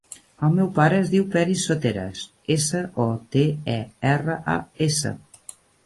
El meu pare es diu Peris Soteras: essa, o, te, e, erra, a, essa.